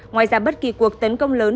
ngoài ra bất kỳ cuộc tấn công lớn